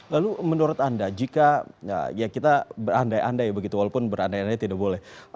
lalu menurut anda jika ya kita berandai andai begitu walaupun berandai andai tidak boleh